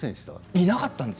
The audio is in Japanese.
いなかったです。